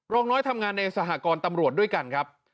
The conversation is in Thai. รองน้อยทำงานในสหกรณ์ตำรวจด้วยกันครับ